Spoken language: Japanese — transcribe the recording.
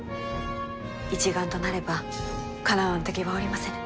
一丸となればかなわぬ敵はおりませぬ。